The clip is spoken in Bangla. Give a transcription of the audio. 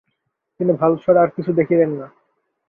তিনি ভাল ছাড়া আর কিছু দেখিতেন না।